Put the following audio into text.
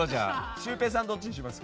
シュウペイさんはどっちにします？